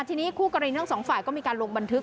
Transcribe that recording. ทีนี้คู่กรณีทั้งสองฝ่ายก็มีการลงบันทึก